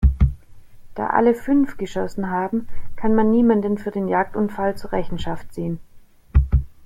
Da alle fünf geschossen haben, kann man niemanden für den Jagdunfall zur Rechenschaft ziehen.